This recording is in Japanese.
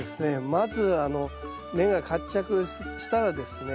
まず根が活着したらですね